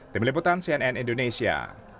tim liputan cnn indonesia